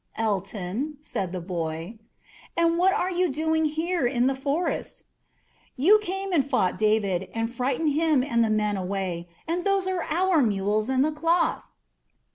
"Ellton," said the boy. "But what are you doing here in the forest?" "You came and fought David, and frightened him and the men away, and those are our mules and the cloth."